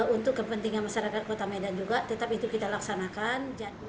untuk kepentingan masyarakat kota medan juga tetap itu kita laksanakan